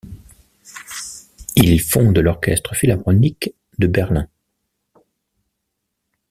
Ils fondent l'Orchestre philharmonique de Berlin.